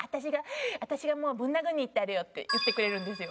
私がぶん殴りに行ってやるよって言ってくれるんですよ。